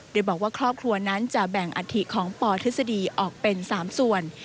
โดยบอกว่าครอบครัวนั้นจะแบ่งอัฐิของปทฤษฎีออกเป็น๓ส่วน